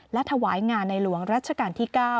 และถวายงานในหลวงรัชกาลที่๙